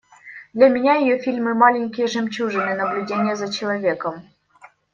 Для меня ее фильмы – маленькие жемчужины наблюдения за человеком.